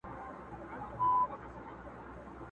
ځناورو هري خوا ته كړلې منډي٫